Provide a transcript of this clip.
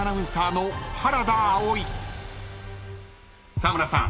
［沢村さん